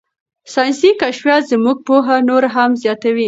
ساینسي کشفیات زموږ پوهه نوره هم زیاتوي.